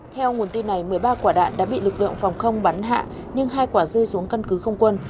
theo nguồn tin này một mươi ba quả đạn đã bị lực lượng phòng không bắn hạ nhưng hai quả rơi xuống căn cứ không quân